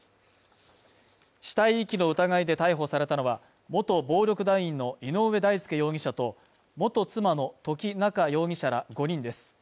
死体遺棄の疑いで逮捕されたのは、元暴力団員の井上大輔容疑者と元妻の土岐菜夏容疑者ら５人です。